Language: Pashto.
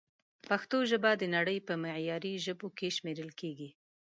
پښتو ژبه د نړۍ په معياري ژبو کښې شمېرل کېږي